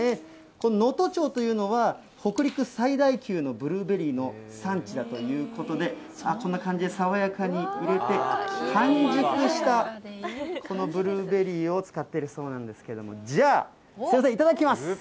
この能登町というのは、北陸最大級のブルーベリーの産地だということで、こんな感じで、爽やかに入れて、完熟したこのブルーベリーを使っているそうなんですけれども、じゃあ、すみません、いただきます。